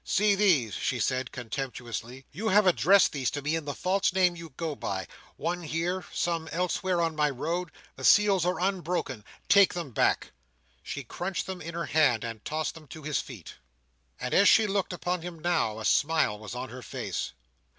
"See these!" she said, contemptuously. "You have addressed these to me in the false name you go by; one here, some elsewhere on my road. The seals are unbroken. Take them back!" She crunched them in her hand, and tossed them to his feet. And as she looked upon him now, a smile was on her face.